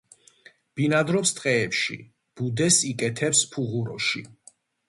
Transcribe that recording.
ბინადრობს ტყეებში; ბუდეს იკეთებს ფუღუროში.